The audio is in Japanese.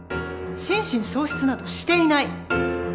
心神喪失などしていない！